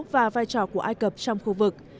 và vai trò của ai cập trong khu vực